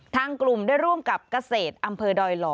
ทางกลุ่มได้ร่วมกับเกษตรอำเภอดอยหล่อ